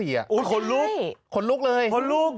โอ้ยขนลุกเลยขนลุก